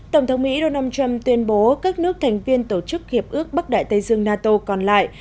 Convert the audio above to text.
tổng thống mỹ donald trump tuyên bố các nước thành viên tổ chức hiệp ước bắc đại tây dương nato còn lại